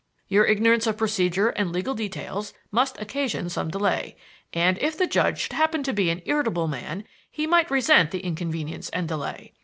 Your ignorance of procedure and legal details must occasion some delay; and if the judge should happen to be an irritable man he might resent the inconvenience and delay.